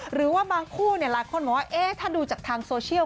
หรือว่าบางคู่หลายคนบอกว่าถ้าดูจากทางโซเชียล